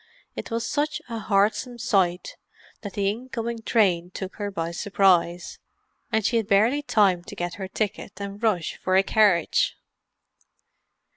It was such a heartsome sight that the incoming train took her by surprise, and she had barely time to get her ticket and rush for a carriage.